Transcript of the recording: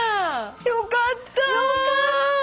よかった！